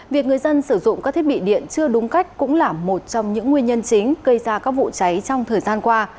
việc người dân sử dụng các thiết bị điện chưa đúng cách cũng là một trong những nguyên nhân chính gây ra các vụ cháy trong thời gian qua